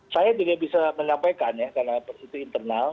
saya tidak bisa menyampaikan ya karena itu internal